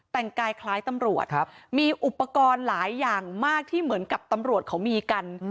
แต่งกายคล้ายตำรวจมีอุปกรณ์หลายอย่างมากที่เหมือนกับตำรวจเขามีกัน